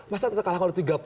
masa terkalahkan tiga puluh